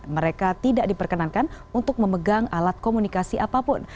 mereka tidak diperkenankan untuk memegang alat komunikasi apapun